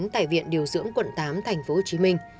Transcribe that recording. tại viện điều dưỡng quận tám tp hcm